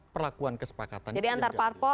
perlakuan kesepakatan jadi antar parpo